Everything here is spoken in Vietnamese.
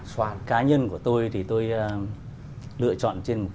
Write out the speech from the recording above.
xin mời nhà báo việt văn ạ